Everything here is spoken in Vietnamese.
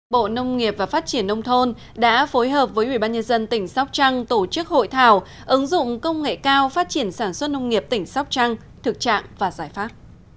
bộ nông nghiệp và phát triển nông thôn đã phối hợp với ubnd tỉnh sóc trăng tổ chức hội thảo ứng dụng công nghệ cao phát triển sản xuất nông nghiệp tỉnh sóc trăng thực trạng và giải pháp